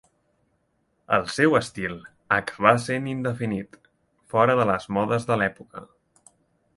El seu estil acabà sent indefinit, fora de les modes de l'època.